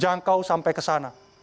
jangkau sampai ke sana